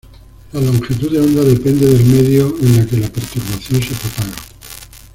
La longitud de onda depende del medio en la que la perturbación se propaga.